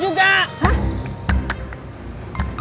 tungguin aja ke rumahnya